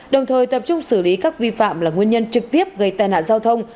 đồng thời tập trung xử lý các vi phạm là nguyên nhân trực tiếp gây tên hạ giao thông